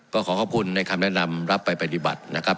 ก็ขอขอบคุณในคำแนะนำรับไปปฏิบัตินะครับ